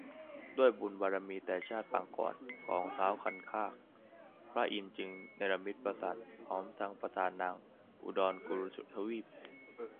ด้วยบุญบารมีแต่ชาติปางก่อนของท้าวคันคาก พระอินทร์จึงเนรมิตปราสาทพร้อมทั้งประทานนางอุดรกุรุทวีป